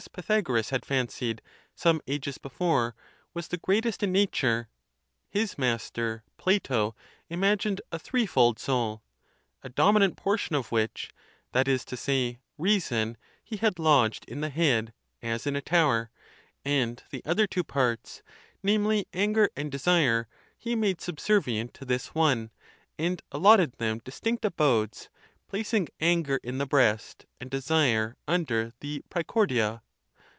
Pythagoras had fancied, some ages before, was the great est in nature: his master, Plato, imagined a threefold soul, a dominant portion of which—that is to say, reason—he had lodged in the head, as in a tower; and the other two parts —namely, anger and desire—he made subservient to this one, and allotted them distinct abodes, placing anger in the breast, and desire under the preecordia.